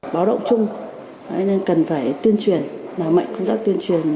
báo động chung nên cần phải tuyên truyền làm mạnh công tác tuyên truyền